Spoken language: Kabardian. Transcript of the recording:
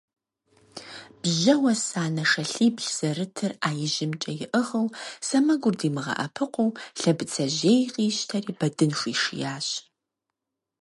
Бжьэуэ санэ шалъибл зэрытыр Ӏэ ижьымкӀэ иӀыгъыу, сэмэгур димыгъэӀэпыкъуу Лъэбыцэжьей къищтэри Бэдын хуишиящ.